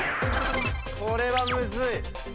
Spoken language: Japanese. これはむずい。